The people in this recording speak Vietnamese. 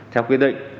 theo quy định